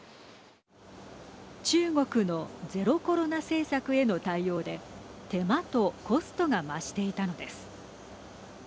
中国のゼロコロナ政策への対応で手間とコストが増していたのです。